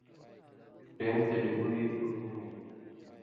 ڈیمب تے ڈِیۡمبُوۡیُوں ملی ملی